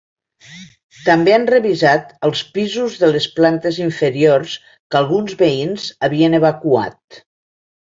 També han revisat els pisos de les plantes inferiors, que alguns veïns havien evacuat.